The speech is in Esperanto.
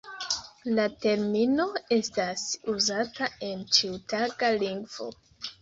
La termino estas uzata en ĉiutaga lingvo.